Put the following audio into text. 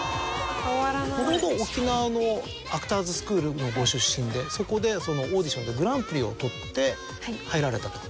もともと沖縄のアクターズスクールのご出身でそこでそのオーディションでグランプリを取って入られたと。